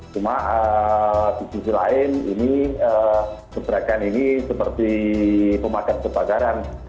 cuma di sisi lain ini gebrakan ini seperti pemadat kebakaran